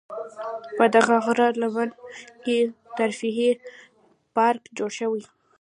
په دغه غره لمن کې تفریحي پارک جوړ شوی.